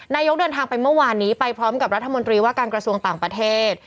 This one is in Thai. เดินทางไปเมื่อวานนี้ไปพร้อมกับรัฐมนตรีว่าการกระทรวงต่างประเทศ